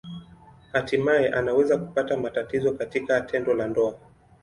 Hatimaye anaweza kupata matatizo katika tendo la ndoa.